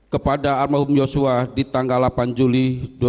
kepada al mahum yosua di tanggal delapan juli dua ribu dua puluh dua